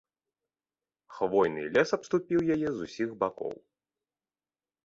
Хвойны лес абступіў яе з усіх бакоў.